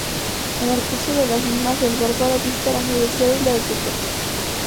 En el curso de las mismas el bárbaro visita la Universidad y la Biblioteca.